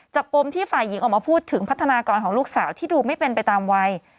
ปมที่ฝ่ายหญิงออกมาพูดถึงพัฒนากรของลูกสาวที่ดูไม่เป็นไปตามวัย